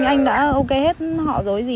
thế là anh đã ok hết họ dối gì